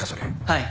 はい。